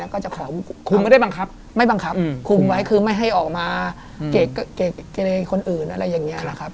ก็จะไม่ให้บังคับ